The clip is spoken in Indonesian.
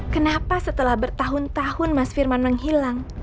kenapa setelah bertahun tahun mas firman menghilang